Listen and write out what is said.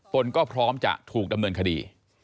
ตนก็พร้อมจะถูกดำเนินคดี